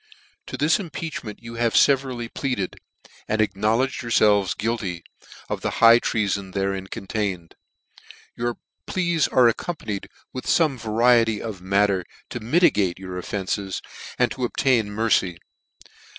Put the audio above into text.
" To this impeachment you have feverally pleaded, and acknowledged yourfelves guilty of the high treafon therein contained. " Your pleas are accompanied with fome va riety of matter to mitigate your offences, and to obtain mercy.